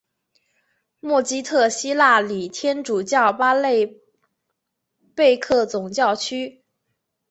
默基特希腊礼天主教巴勒贝克总教区。